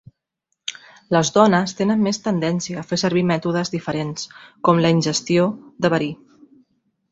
Les dones tenen més tendència a fer servir mètodes diferents, com la ingestió de verí.